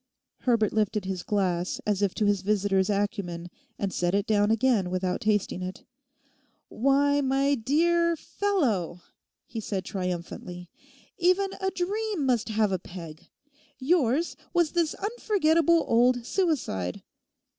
Herbert lifted his glass as if to his visitor's acumen and set it down again without tasting it. 'Why, my dear fellow,' he said triumphantly, 'even a dream must have a peg. Yours was this unforgettable old suicide.